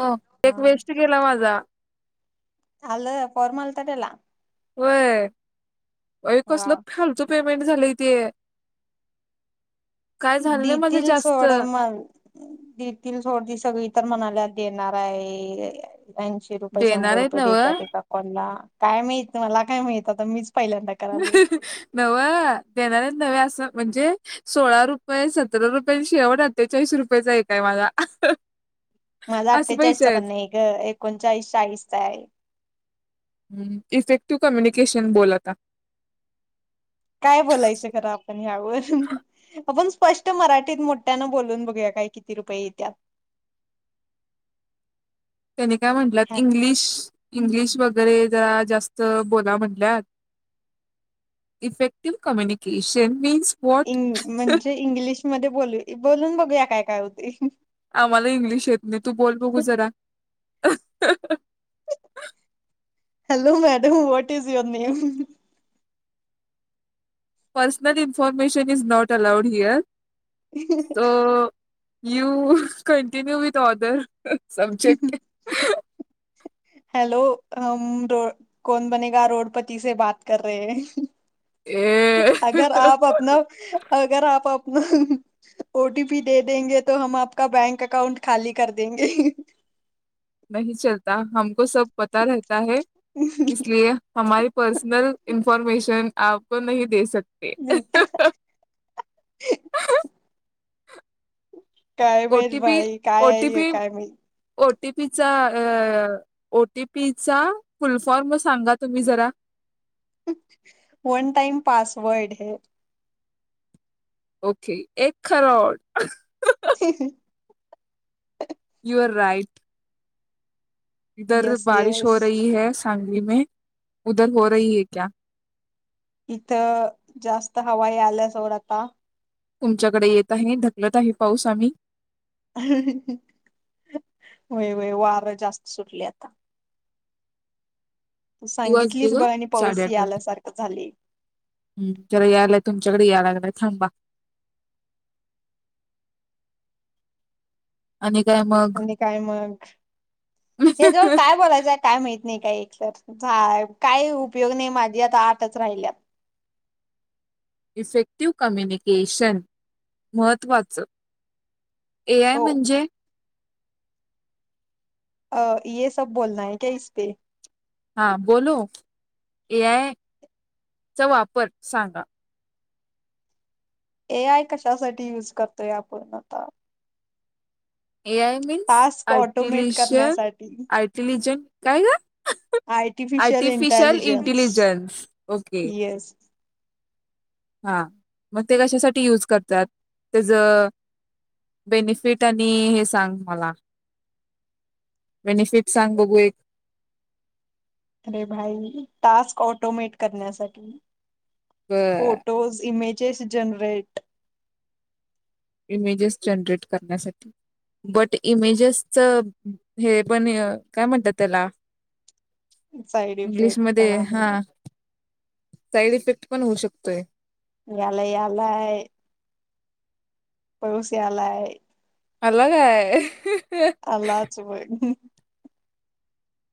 हो एक वेस्ट गेला माझा. [unintelligible] होय व वा. कसलं खालचो प [unintelligible] झालयं ते काय झालं नाही माझं दितील जास्त. सोड म दितील सोड ती सगळी तरर म्हणाल्यात, [unintelligible] ऐंशी रुपये देणार शंभर आहेत रुपये देत्यात नव्हं एका कॉल ला काय माहीत, मला का? माहित पहिल्यांदा करालोय नव देणारेच नवे अस म्हणजे सोळा रुपये सतरा रुपये शेवट अठ्ठेचाळीस रुपयेचा एकय माझा.. माझा असे अठ्ठेचाळीस पैसे चा आहेत. पण नाही ग एकोणचाळीस चाळीसचा आहे. हम्म इफेक्टिव्ह कम्युनिकेशन बोल आता काय बोलायचं खरं आपण यावर आपण स्पष्ट मराठीत मोठ्यानं बोलून बघूया काय किती रुपये येत्या त्यानी काय म्हटलं इंग्लिश इंग्लिश व अरे जरा जास्त बोलव म्हणलं इफेक्टिव कम्युनिकेशनन् म्हणजे इंग्लिशमध्ये बोल बोलून बघूया काय काय होतय. आम्हाला इंग्लिश येत नाही तू बोल बघू जरा.. hello madam what is your name? Personal information is not allowed here. [inaudible] You continue with order. Subject hello [inaudible] कोण बनेगा करोडपती से बात कर रहे है ए, अगर आप आपण अगर आप... ओटीपी दे देंगे तो हम आपका बँक अकाउंट खाली कर देंगे. नाही चलता हमको सब पता राह इसलिये हमारी पर्सनल.. इन्फॉर्मेशन आपको नही दे सकते. [inaudible] काय मच ओटीपी भाई काय आहे काय म ओटीपी ओटीपीचा फुल फॉर्म सांगा तुम्ही जरा वन टाइम पासवर्ड है. ओके एक करोड. ह राईट इधर येस बारिश येस हो रही है सांगली मे उदर हो रही है क्या? इथं जास्त हवाई आल्यासोर आता.... तुमच्याकडे येत आहे ढकलत आहे पाऊस आम्ही.. व्हय व्हय वारं जास्त सुटलय आता तू ती वाजली सांगितलीच ग बघ आणि पाऊस याल्यासारखं झाली. हम् त्याला यायलाय तुमच्याकडे याय लागलाय थांबा आणि काय मग आणि काय मग [inaudible] हे जवळ काय बोलायचंय काय माहित नाही काय एकसर झा काही उपयोग नाही माझी आता आठच राहिल्यात इफेक्टिव्ह कम्युनिकेशन महत्त्वाचं एआय सो म्हणजे? [unintelligible] [unintelligible] ए आय चा वापर सांगा ए आय कशासाठी युज करतोय आपण आता. A I means task automate आर्टिलीशन, करण्यासाठी आर्टिलिजन, काय का ग artificial artificial intelligence intelligence okay. Yes हा मग ते कशासाठी यूज करतात, त्याच बेनिफिट आणि हे सांग मला बेनिफिट सांग बघू एक. अरे भाई टास्क ऑटोमेट करण्यासाठी. अ, photos image. Generate. Images generate करण्यासाठी बट इमेजेसच हे पण काय म्हणतात त्याला. साईड इफेक्ट पण आहे. साइड इफेक्ट पण होऊ शकतोय. यालाय, यालाय. पाऊस यालाय. आला काय? आलाच बग.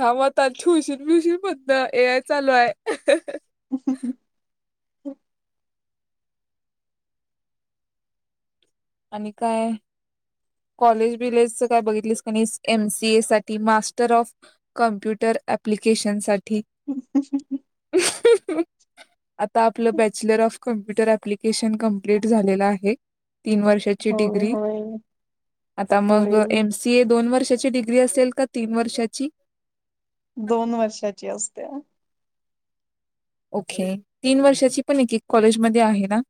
थांब आता ठेवशील बिवशील बंद ए आय चालू आहे. [unintelligible] [unintelligible] आणि काय? कॉलेज बिलेज च काय बघितलेस का नाहीस? एम सी ए साठी मास्टर ऑफ कंप्यूटर एप्लीकेशन साठी. [inaudible] [unintelligible] आता आपलं bachelor of computer application complete झालेलं आहे. तीन वर्षाची होय डिग्री होय आता मग होय एम सी ए दोन वर्षाची डिग्री असेल का तीन वर्षाची? दोन वर्षाची असत्या. ओके तीन वर्षाची पण एक एक कॉलेजमध्ये आहे ना.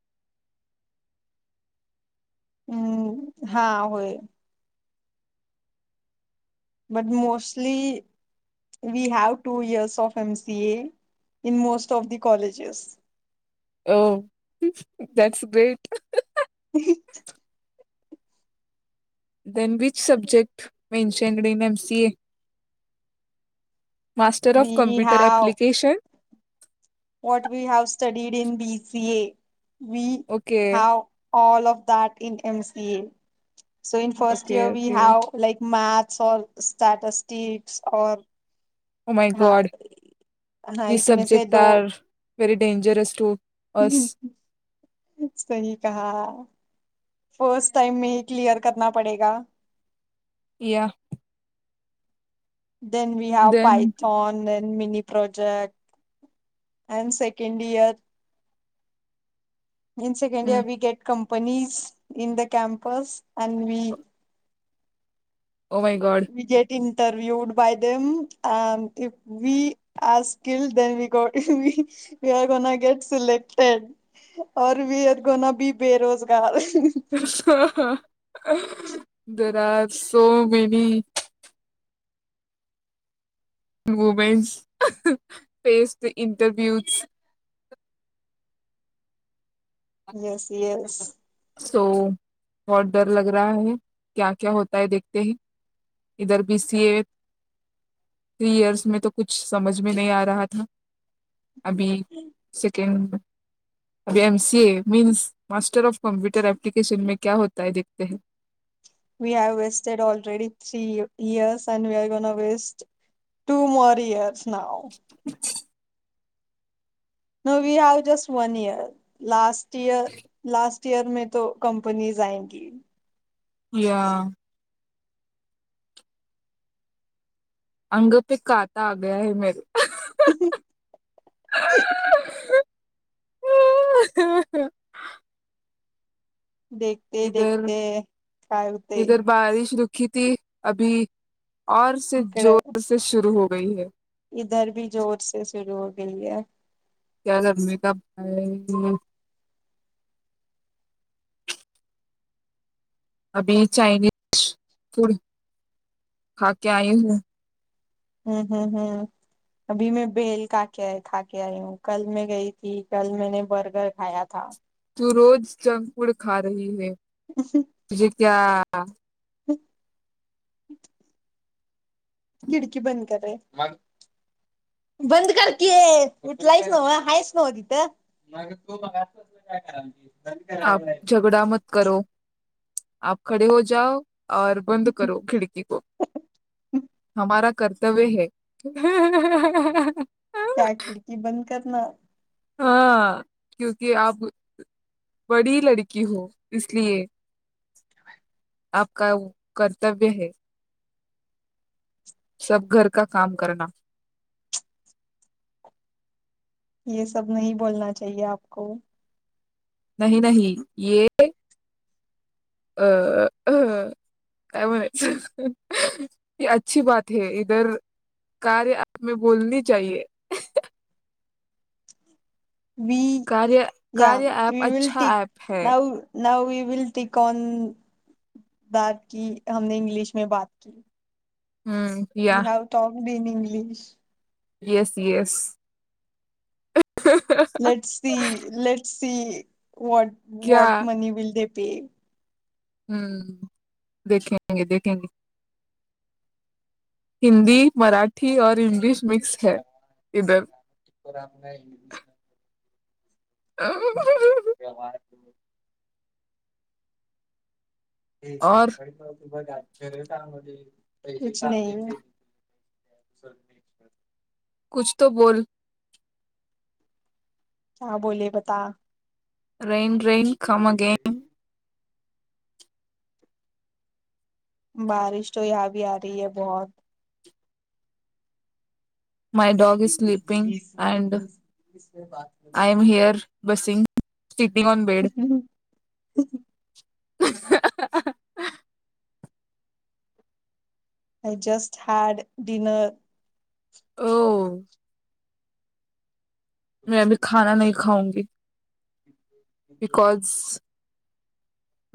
हम्म, हा होय. But mostly we have two years of M C A in most of the colleges. Oh that great. [unintelligible] Than which subject mentioned in M C A. Master of we computer have application. What we have studied in B C A. We okay have all of that in M C A. [unintelligible] Okay okay [unintelligible] हा [unintelligible] हा इसमे से दो very dangerous to अस [unintelligible] सही कहा first time मे ही clear करना पडेगा. Yeah then we have then पायथॉने. Mini project and second year in second we get कं companies in the campus [unintelligible] O my God. [unintelligible] बेरोजगार [unintelligible] सो मेनी मूमेंटस पेस् इंटरव्यूस [unintelligible] येस येस. सो बहोतं डर लग रहा है क्या क्या होता हे देखते है इधर B C A three years मे त कुछ समज मे नही आ रहा था. अभी second M C A means master of computer application मे क्या होता है देखते है. [unintelligible] [unintelligible] Now we have just one year last year last year मे तो कंपनीज आयंगी. या अंग पे काता आग्या है मेरे [inaudible] देखते इधर देखते काय हुतंय इधर [unintelligible] इकडे [unintelligible] [unintelligible] [unintelligible] [unintelligible] [unintelligible] [unintelligible] [unintelligible] [unintelligible] [unintelligible] हां. [unintelligible] खिडकी बंद कर रे मग बंद करकी उठलायस नव हायस नव तिथं [unintelligible] [unintelligible] [unintelligible] [unintelligible] त्या खिडकी बंद करना [unintelligible] [unintelligible] [unintelligible] [unintelligible] [unintelligible] वी [unintelligible] [unintelligible] हम्म या [unintelligible] [unintelligible] [unintelligible] [unintelligible] क्या [unintelligible] ते [unintelligible] [unintelligible] [unintelligible] [inaudible] व्यवहार ये और कांनपाडीत मारीन बग आत सरळ सांगलोय [unintelligible] कुछ तो बोल क्या बोले बता. रिम रिम.. [unintelligible] बारिश तो या भी आ रही है बहुत. My dog is sleeping and I am here. बसिंग. सिटिंग ऑन ह bed Hum [inaudible] I just had dinner. हो मे अभी खाना नाही खाउंगी. बिकॉज..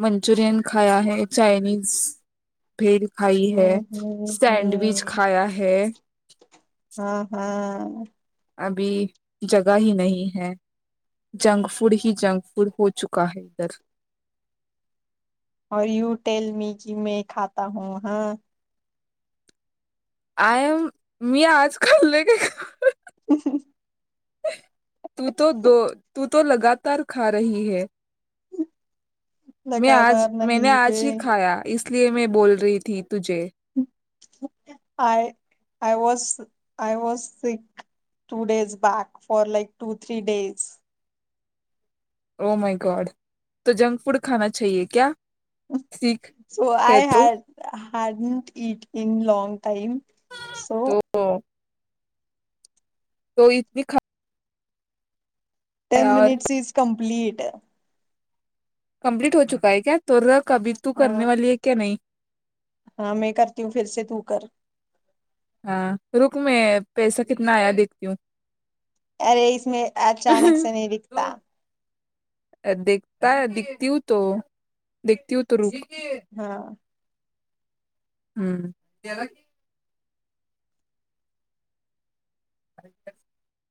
मंचुरियन खाया है चायनीज, भेल खाई है हम्म हम्म सँडविच हम्म. खाया है. हा अभी जगा ही नही है जंक फूड ह जंक फूड हो चुका है इधर. औ युटेल मेगी मे खाता हू हा आय मी आज खाल्ले काय? हम् हम्... तू तो लगातार खा रही है. ह म आज मैने आज ही खाया इसलिये मै बोल रहीथी. I I was. I was स two days back for like two three days. Oh my god त जंक फूड खाना चाहिये क्या? सीख सो है आय हॅ तो हॅ it in long time so.. तो तो इतली ख.. ten minutes is complete. [inaudible] Complete हो चुका है क्या. [inaudible] कभी तू करने वाली है क्या नही? हा मे करती हू फिरसे तू कर. हा रुक मे पैसा कितना आया देखती हु. अरे इसमे अचानक से नही दिखता. काय दिकती हू तू. दीकती हू रुक ठिके हाँ हम्म जराकी. अ [inaudible]